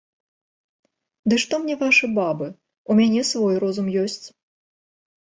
Ды што мне вашы бабы, у мяне свой розум ёсць.